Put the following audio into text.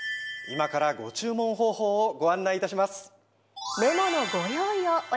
今からご注文方法をご案内いたします。